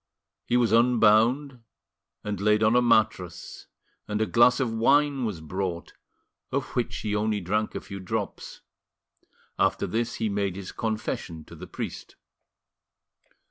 He was unbound and laid on a mattress, and a glass of wine was brought, of which he only drank a few drops; after this, he made his confession to the priest.